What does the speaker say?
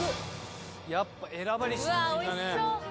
やっぱ選ばれし一品だね。